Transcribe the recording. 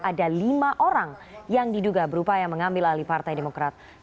ada lima orang yang diduga berupaya mengambil alih partai demokrat